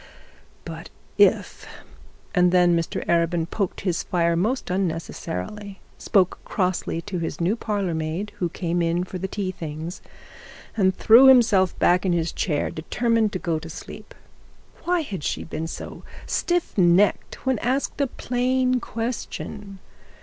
But if And then Mr Arabin poked his fire most unnecessarily, spoke crossly to his new parlour maid who came in for the tea things, and threw himself back in his chair determined to go to sleep. Why had she been so stiff necked when asked a plain question?